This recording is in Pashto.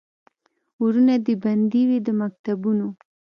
ورونه دي بند وي د مکتبونو